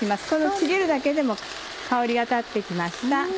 ちぎるだけでも香りが立って来ました。